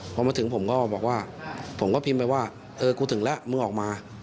พอเขามาเทิงครั้งค่ะพิ่งไปบอกว่ามุโมงั้นถึงแล้วมือออกมา